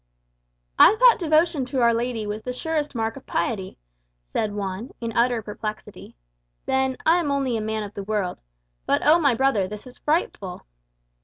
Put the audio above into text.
'" "I thought devotion to Our Lady was the surest mark of piety," said Juan, in utter perplexity. "Then, I am only a man of the world. But oh, my brother, this is frightful!"